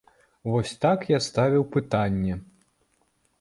Вось так я ставіў пытанне.